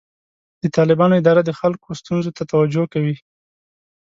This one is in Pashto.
د طالبانو اداره د خلکو ستونزو ته توجه کوي.